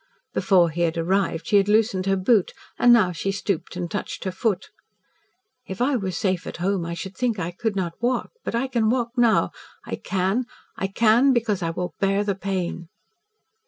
Before he had arrived she had loosened her boot, and now she stooped and touched her foot. "If I were safe at home I should think I could not walk, but I can walk now I can I can because I will bear the pain."